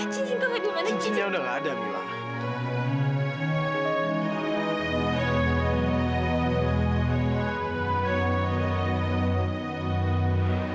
cincinnya udah nggak ada mila